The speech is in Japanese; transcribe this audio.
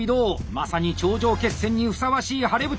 まさに頂上決戦にふさわしい晴れ舞台！